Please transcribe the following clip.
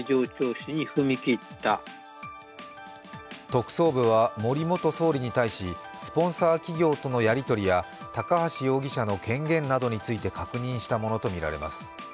特捜部は森元総理に対しスポンサー企業とのやり取りや高橋容疑者の権限などについて確認したものとみられます。